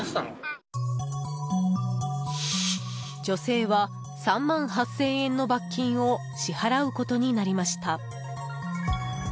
女性は３万８０００円の罰金を支払うことになりました。